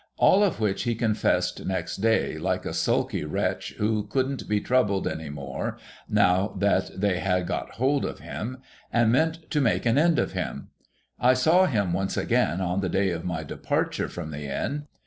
All of which he confessed qext day, like a sulky wretch who couldn't be troubled any more, now H 98 THE HOLLY TREE that tliey had got hold of him, and meant to make an end of him. I saw him once again, on the day of my departure from the Inn.